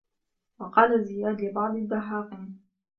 وَقَالَ زِيَادٌ لِبَعْضِ الدَّهَاقِينِ